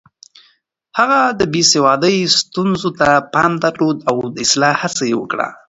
هغه د بې سوادۍ ستونزو ته پام درلود او د اصلاح هڅه يې وکړه.